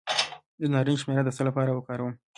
د نارنج شیره د څه لپاره وکاروم؟